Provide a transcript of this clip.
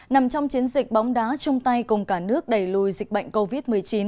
nằm trong chiến dịch bóng đá chung tay cùng cả nước đẩy lùi dịch bệnh covid một mươi chín